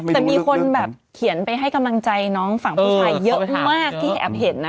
แต่มีคนแบบเขียนไปให้กำลังใจน้องฝั่งผู้ชายเยอะมากที่แอบเห็นนะ